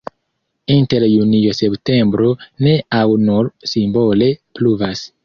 Inter junio-septembro ne aŭ nur simbole pluvas.